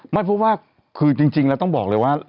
ไม่เพราะว่าคือจริงแล้วต้องบอกเลยว่า